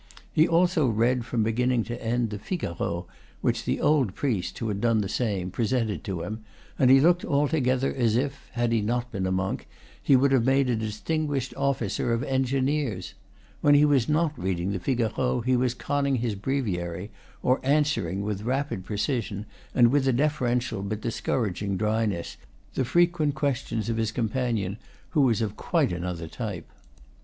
He also read, from beginning to end, the "Figaro" which the old priest, who had done the same, presented to him; and he looked altogether as if, had he not been a monk, he would have made a distinguished officer of engineers. When he was not reading the "Figaro" he was conning his breviary or answering, with rapid precision and with a deferential but dis couraging dryness, the frequent questions of his com panion, who was of quite another type.